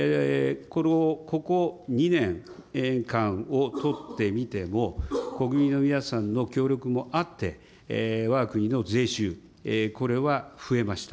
ここ２年間をとってみても、国民の皆さんの協力もあって、わが国の税収、これは増えました。